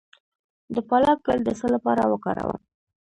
د پالک ګل د څه لپاره وکاروم؟